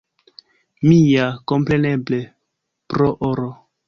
Mi ja, kompreneble, pro oro.